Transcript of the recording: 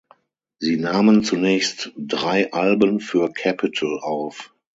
Sie nahmen zunächst drei Alben für Capitol auf.